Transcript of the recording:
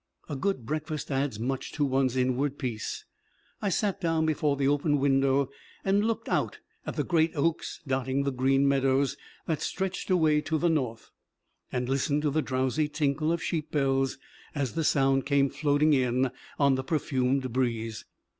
A good breakfast adds much to one's inward peace: I sat down before the open window and looked out at the great oaks dotting the green meadows that stretched away to the north, and listened to the drowsy tinkle of sheep bells as the sound came floating in on the perfumed breeze.